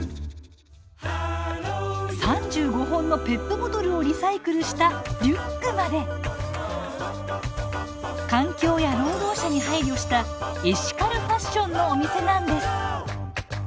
３５本のペットボトルをリサイクルしたリュックまで環境や労働者に配慮したエシカルファッションのお店なんです。